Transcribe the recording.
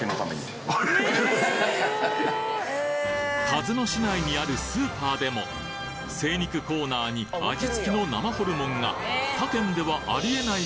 鹿角市内にあるスーパーでも精肉コーナーに味付きの生ホルモンが他県ではありえない